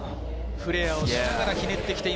フレアしながらひねってきて